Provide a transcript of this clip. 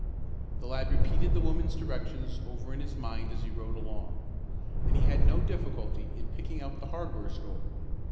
The lad repeated the woman's directions over in his mind as he rode along, and he had no difficulty in picking out the hardware store.